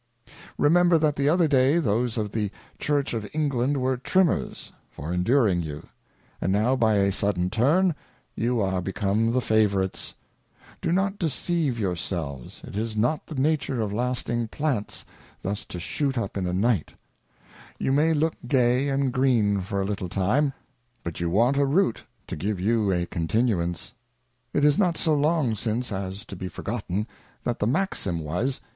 Remember that the other day those of the Church of England were Trimmers for enduring you, and now by a sudden Turn, you are become the Favourites ; do not deceive your selves, it is not the nature of lasting Plants thus to shoot up in a Night ; you may look gay and green for a little time, but you want a RooFto give you a Continuance; — It, is not so long since , as to be fergolLen, that the Maxim was.